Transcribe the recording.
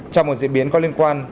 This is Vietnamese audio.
trong một diễn biến có liên quan